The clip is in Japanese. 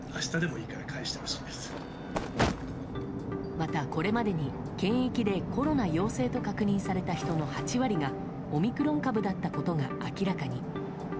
また、これまでに検疫でコロナ陽性と確認された人の８割がオミクロン株だったことが明らかに。